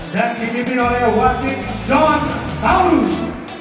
dan di pimpin oleh wasik jawan taurus